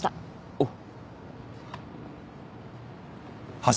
おう。